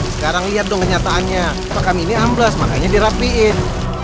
sekarang lihat dong kenyataannya makam ini ambles makanya dirapiin